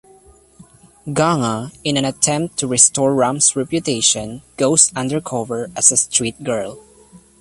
Ganga, in an attempt to restore Ram's reputation, goes undercover as a street-girl.